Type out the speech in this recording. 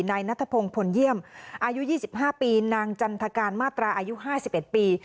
นายนัทพงศ์พลเยี่ยมอายุ๒๕ปีนางจันทการมาตราอายุ๕๑ปี